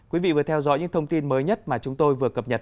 quý vị vừa theo dõi những thông tin mới nhất mà chúng tôi vừa cập nhật